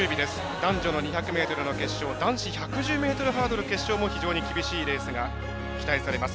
男女の２００ｍの決勝男子１１０ｍハードルの決勝も非常に厳しいレースが期待されます。